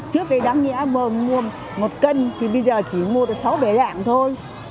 trước đây đáng nghĩa mua một cân thì bây giờ chỉ mua được sáu bảy dạng thôi